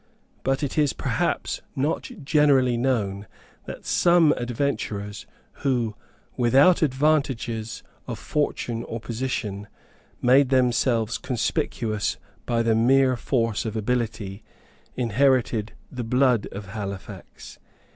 But it is perhaps not generally known that some adventurers, who, without advantages of fortune or position, made themselves conspicuous by the mere force of ability, inherited the blood of Halifax.